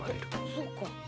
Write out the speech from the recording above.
そそうか。